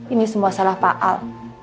ini semua salah pak al